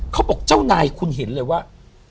คุณไหนคุณเห็นเลยว่า